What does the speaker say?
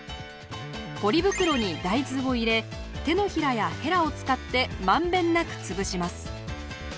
ポリ袋に大豆を入れ手のひらやヘラを使って満遍なく潰します。